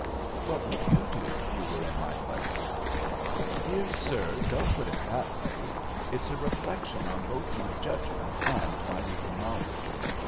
"What would you do if you were in my place?" "My dear sir, don't put it that way. It's a reflection on both my judgment and my legal knowledge.